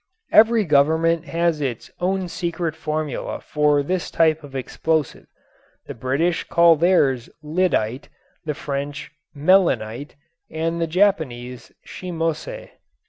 Every government has its own secret formula for this type of explosive. The British call theirs "lyddite," the French "melinite" and the Japanese "shimose."